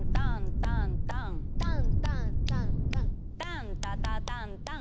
タンタタタンタン！